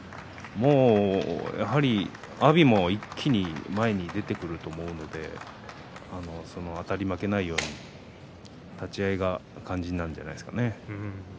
阿炎も一気に前に出てくると思うのであたり負けないように立ち合いが肝心なんじゃないですかね。